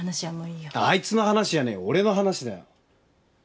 あいつの話じゃねえよ俺の話だよ。